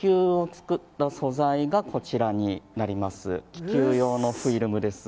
気球用のフィルムです。